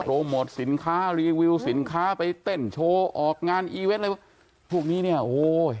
โมทสินค้ารีวิวสินค้าไปเต้นโชว์ออกงานอีเวนต์อะไรพวกนี้เนี่ยโอ้โห